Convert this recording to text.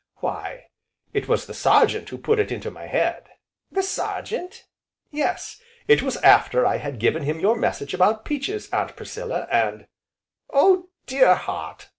"Why, it was the Sergeant who put it into my head, " "The Sergeant?" "Yes, it was after I had given him your message about peaches, Aunt Priscilla and " "Oh dear heart!"